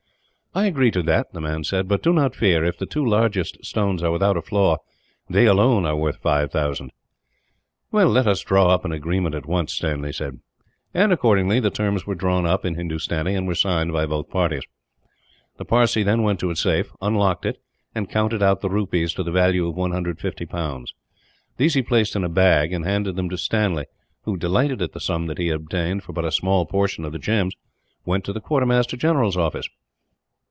"I agree to that," the man said. "But do not fear; if the two largest stones are without a flaw, they alone are worth five thousand." "Let us draw up the agreement, at once," Stanley said. And, accordingly, the terms were drawn up, in Hindustani, and were signed by both parties. The Parsee then went to a safe, unlocked it, and counted out the rupees, to the value of 150 pounds. These he placed in a bag, and handed them to Stanley who, delighted at the sum that he had obtained for but a small portion of the gems, went to the quartermaster general's office.